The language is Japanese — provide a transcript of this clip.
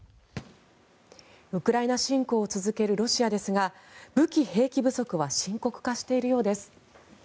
ウクライナ侵攻を続けるロシアですが武器・兵器不足は深刻化しているようです。